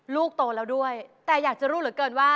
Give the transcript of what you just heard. ลูกโตแล้วด้วยแต่อยากจะรู้เหลือเกินว่า